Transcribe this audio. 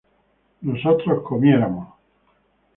nosotros comiéramos